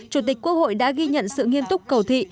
chủ tịch quốc hội đã ghi nhận sự nghiêm túc cầu thị